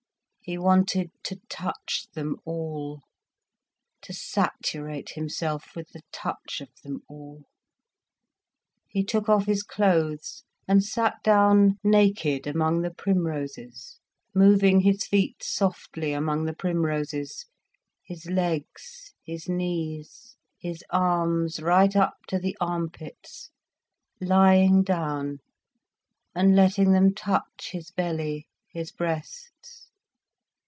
He wanted to touch them all, to saturate himself with the touch of them all. He took off his clothes, and sat down naked among the primroses, moving his feet softly among the primroses, his legs, his knees, his arms right up to the arm pits, lying down and letting them touch his belly, his breasts.